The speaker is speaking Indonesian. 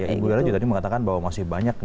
ibu rela juga tadi mengatakan bahwa masih banyak